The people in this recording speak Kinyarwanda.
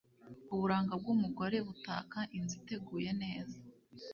uburanga bw’umugore butaka inzu iteguye neza.